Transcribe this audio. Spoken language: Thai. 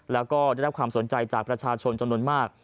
แล้วก็ได้รับความสนใจจากประชาชนจำนวนมาก